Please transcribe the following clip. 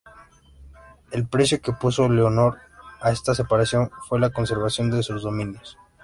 El precio que puso Leonor a esta separación fue la conservación de sus dominios.